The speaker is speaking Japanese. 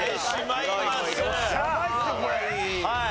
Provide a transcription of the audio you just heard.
はい。